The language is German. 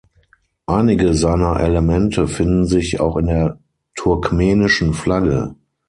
Einige seiner Elemente finden sich auch in der turkmenischen Flagge.